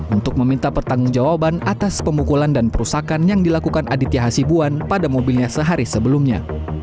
untuk meminta pertanggung jawaban atas pemukulan dan perusakan yang dilakukan aditya hasibuan pada mobilnya sehari sebelumnya